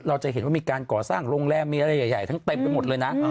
เราจะเห็นว่ามีการก่อสร้างโรงแรมมีอะไรใหญ่ทั้งเต็มไปหมดเลยนะ